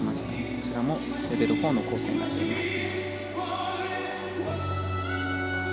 こちらもレベル４の構成になっています。